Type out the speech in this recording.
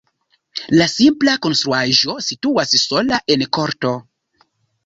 La simpla konstruaĵo situas sola en korto.